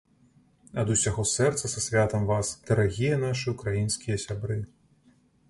Ад усяго сэрца са святам вас, дарагія нашы ўкраінскія сябры!